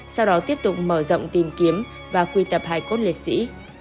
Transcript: sau đó tiếp tục mở rộng tìm kiếm và quy tập hải cốt liệt sĩ